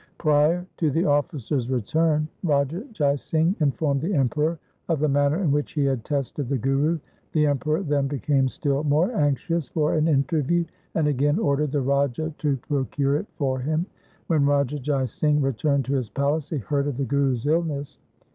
Prior to the officer's return Raja Jai Singh in formed the Emperor of the manner in which he had tested the Guru. The Emperor then became still more anxious for an interview, and again ordered the Raja to procure it for him. When Raja Jai Singh returned to his palace, he heard of the Guru's illness.